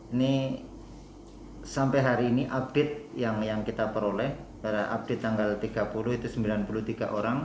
ini sampai hari ini update yang kita peroleh update tanggal tiga puluh itu sembilan puluh tiga orang